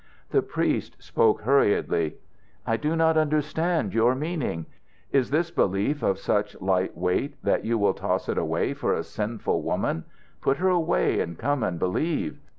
The priest spoke hurriedly. "I do not understand your meaning. Is this belief of such light weight that you will toss it away for a sinful woman? Put her away, and come and believe."